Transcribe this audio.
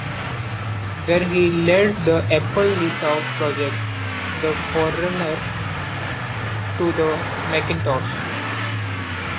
There he led the Apple Lisa project, the forerunner to the Macintosh.